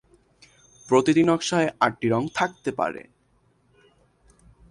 প্রতিটি নকশায় আটটি রঙ থাকতে পারে।